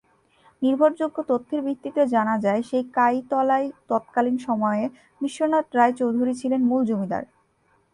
নির্ভরযোগ্য তথ্যের ভিত্তিতে জানা যায়, সেই কাইতলায় তৎকালীন সময়ে বিশ্বনাথ রায় চৌধুরী ছিলেন মূল জমিদার।